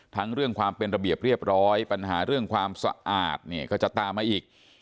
เรื่องความเป็นระเบียบเรียบร้อยปัญหาเรื่องความสะอาดเนี่ยก็จะตามมาอีก